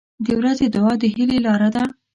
• د ورځې دعا د هیلې لاره ده.